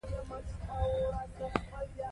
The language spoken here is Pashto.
د روغتیا ساتل د مور په کور کې پیل کیږي.